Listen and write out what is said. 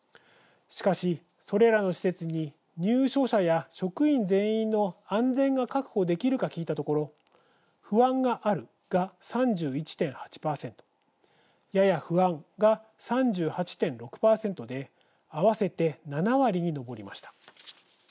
しかし、それらの施設に入所者や職員全員の安全が確保できるか聞いたところ「不安がある」が３１．８％「やや不安」が３８．６％で合わせて７割に上りました。